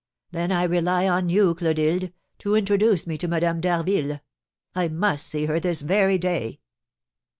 "Then I rely on you, Clotilde, to introduce me to Madame d'Harville. I must see her this very day."